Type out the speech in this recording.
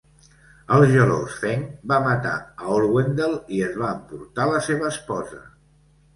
El gelós Feng va matar a Orwendel i es va emportar la seva esposa.